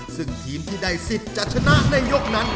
ซึ่งทีมที่ได้สิทธิ์จะชนะในยกนั้น